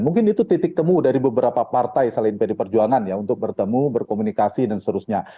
mungkin itu titik temu dari beberapa partai selain pd perjuangan ya untuk bertemu berkomunikasi dan seterusnya